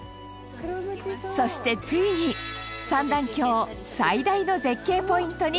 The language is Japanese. そしてついに三段峡最大の絶景ポイントに到着！